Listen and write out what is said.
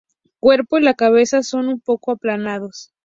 Cuerpo y la cabeza son un poco aplanados.